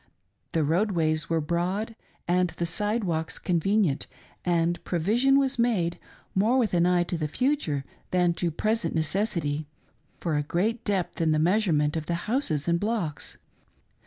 The roadways were broad and the sidewalks convenient, and provision was made — more with an eye to the future than to present necessity — for a great depth in the measurement of the houses and blocks.